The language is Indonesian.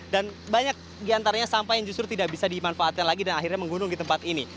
dan banyak diantaranya sampah yang justru tidak bisa dimanfaatkan lagi dan akhirnya menggunung di tempat ini